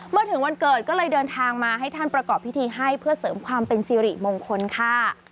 เมื่อถึงวันเกิดก็เลยเดินทางมาให้ท่านประกอบพิธีให้เพื่อเสริมความเป็นสิริมงคลค่ะ